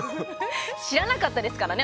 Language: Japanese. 知らなかったですからね